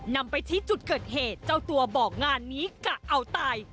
นำไปชี้จุดเกิดเหตุเจ้าตัวบอกงานนี้กะเอาตาย